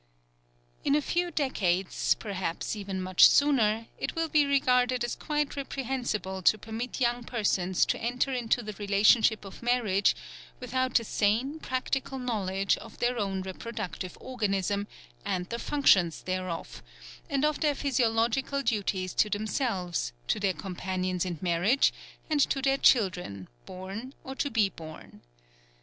In a few decades, perhaps even much sooner, it will be regarded as quite reprehensible to permit young persons to enter into the relationship of marriage without a sane, practical knowledge of their own reproductive organism and the functions thereof, and of their physiological duties to themselves, to their companions in marriage, and to their children born or to be born.